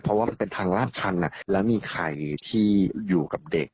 เพราะว่ามันเป็นทางลาดชันแล้วมีใครที่อยู่กับเด็ก